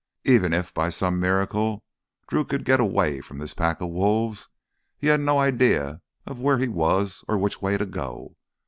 Even if, by some miracle, Drew could get away from this pack of wolves, he had no idea of where he was or which way to go.